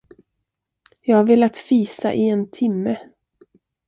Jag har velat fisa i en timme.